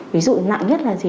ví dụ nặng nhất là gì